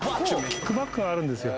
キックバックがあるんですよ